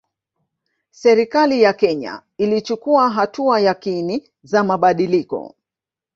Serikali ya Kenya ilichukua hatua yakini za mabadiliko